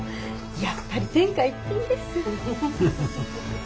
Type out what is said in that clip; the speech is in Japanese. やっぱり天下一品です。